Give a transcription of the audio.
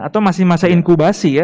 atau masih masa inkubasi ya